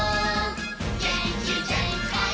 「げんきぜんかい」